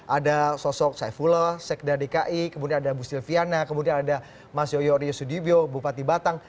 ada sosok saifullah sekda dki kemudian ada bu silviana kemudian ada mas yoyo ryo sudibyo bupati batang